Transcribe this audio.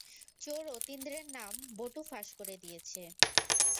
চোর অতীন্দ্রের নাম বটু ফাঁস করে দিয়েছে।